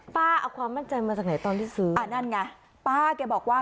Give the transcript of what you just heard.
ป้าเอาความมั่นใจมาจากไหนตอนที่ซื้ออ่านั่นไงป้าแกบอกว่า